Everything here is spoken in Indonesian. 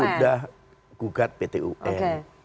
sudah gugat pt un